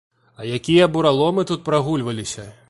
А якія бураломы тут прагульваліся!